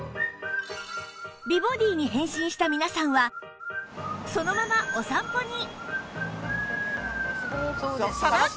美ボディーに変身した皆さんはそのままお散歩に！